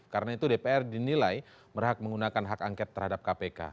karena itu dpr dinilai merahak menggunakan hak angket terhadap kpk